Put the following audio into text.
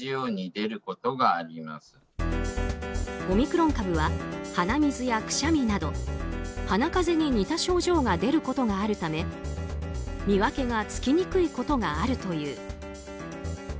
オミクロン株は鼻水やくしゃみなど鼻風邪に似た症状が出ることがあるため見分けがつきにくいことがあるという。